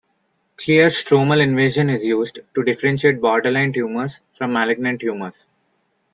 Clear stromal invasion is used to differentiate borderline tumors from malignant tumors.